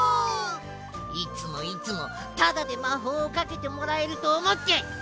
いつもいつもただでまほうをかけてもらえるとおもって！